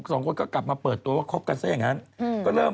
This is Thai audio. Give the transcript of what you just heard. สองคนก็กลับมาเปิดโตว่าคบกันซะอย่างนั้น